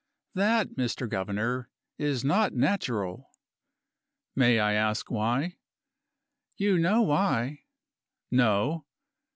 "That, Mr. Governor, is not natural." "May I ask why?" "You know why." "No."